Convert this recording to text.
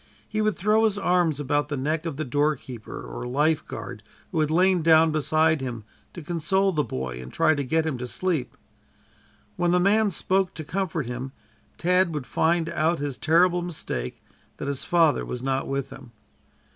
He would throw his arm about the neck of the doorkeeper or lifeguard who had lain down beside him to console the boy and try to get him to sleep. When the man spoke to comfort him, Tad would find out his terrible mistake, that his father was not with him.